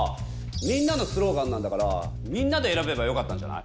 みんなのスローガンなんだからみんなで選べばよかったんじゃない？